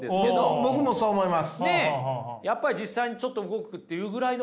僕もそう思います。